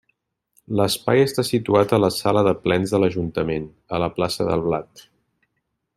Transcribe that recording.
L'espai està situat a la sala de plens de l'Ajuntament, a la plaça del Blat.